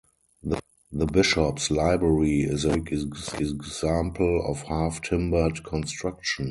The bishop's library is a historic example of half-timbered construction.